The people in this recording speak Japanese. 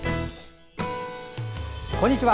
こんにちは。